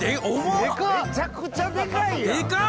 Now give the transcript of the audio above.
めちゃくちゃデカいやん！